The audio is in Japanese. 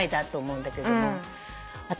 私